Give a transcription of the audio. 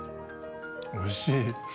おいしい。